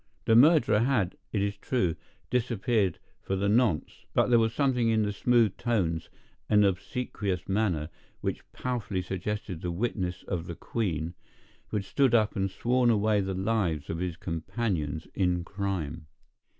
The murderer had, it is true, disappeared for the nonce, but there was something in the smooth tones and obsequious manner which powerfully suggested the witness of the queen, who had stood up and sworn away the lives of his companions in crime.